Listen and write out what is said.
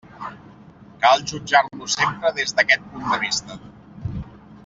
Cal jutjar-lo sempre des d'aquest punt de vista.